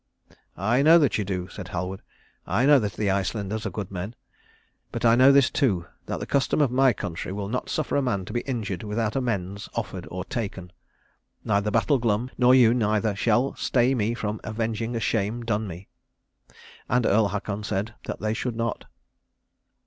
"I know that you do," said Halward; "I know that the Icelanders are good men. But I know this too, that the custom of my country will not suffer a man to be injured without amends offered or taken. Neither Battle Glum, nor you neither, shall stay me from avenging a shame done me." And Earl Haakon said that they should not.